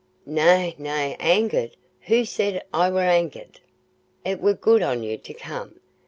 "Nay, nay; angered! who said I war angered? It war good on you to come.